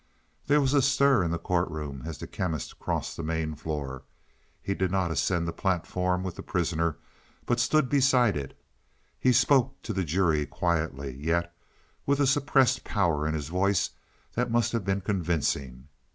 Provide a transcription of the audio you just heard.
There was a stir in the court room as the Chemist crossed the main floor. He did not ascend the platform with the prisoner, but stood beside it. He spoke to the jury quietly, yet with a suppressed power in his voice that must have been convincing.